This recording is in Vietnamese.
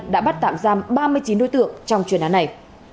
đã bắt tạm giam ba mươi chín đối tượng trong chuyên án này